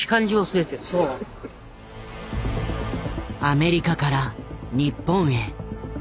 アメリカから日本へ。